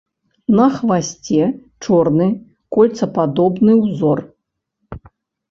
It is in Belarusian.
На хвасце чорны кольцападобны ўзор.